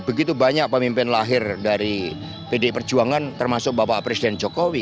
begitu banyak pemimpin lahir dari pdi perjuangan termasuk bapak presiden jokowi